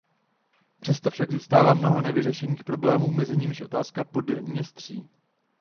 Přesto však zůstává mnoho nevyřešených problémů, mezi nimiž otázka Podněstří.